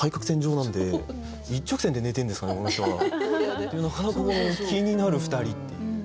なかなかこの気になるふたりっていう。